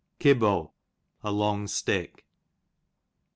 Kibbo, a long stick.